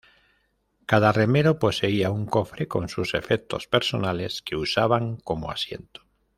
Cada remero poseía un cofre con sus efectos personales que usaban como asiento.